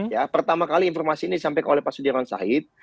ya pertama kali informasi ini disampaikan oleh pak sudirman said